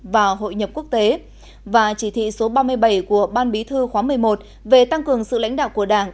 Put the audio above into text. và hội nhập quốc tế và chỉ thị số ba mươi bảy của ban bí thư khóa một mươi một về tăng cường sự lãnh đạo của đảng